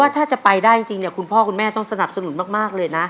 ถ้าจะไปได้จริงคุณพ่อคุณแม่ต้องสนับสนุนมากเลยนะ